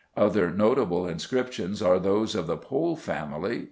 Other notable inscriptions are those of the Pole family (No.